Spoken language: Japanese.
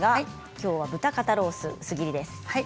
きょうは豚肩ロース薄切りです。